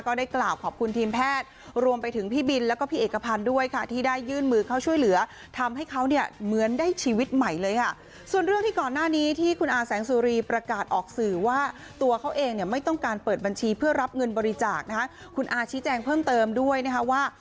ก็ได้กล่าวขอบคุณทีมแพทย์รวมไปถึงพี่บิลแล้วก็พี่เอกพันธ์ด้วยค่ะ